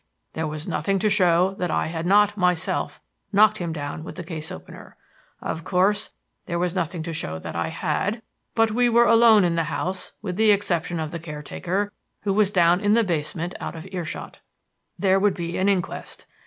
"There was nothing to show that I had not, myself, knocked him down with the case opener. Of course, there was nothing to show that I had; but we were alone in the house with the exception of the caretaker, who was down in the basement out of earshot. "There would be an inquest.